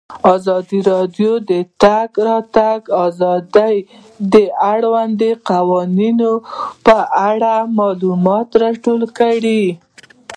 ازادي راډیو د د تګ راتګ ازادي د اړونده قوانینو په اړه معلومات ورکړي.